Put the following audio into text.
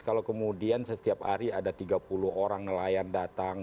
kalau kemudian setiap hari ada tiga puluh orang nelayan datang